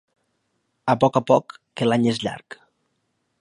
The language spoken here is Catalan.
A poc a poc, que l'any és llarg.